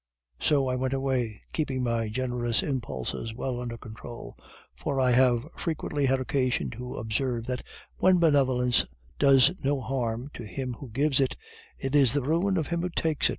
"'So I went away, keeping my generous impulses well under control; for I have frequently had occasion to observe that when benevolence does no harm to him who gives it, it is the ruin of him who takes.